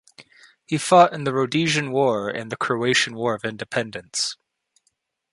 He fought in the Rhodesian War and the Croatian War of Independence.